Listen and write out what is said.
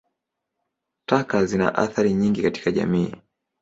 Taka zina athari nyingi katika jamii.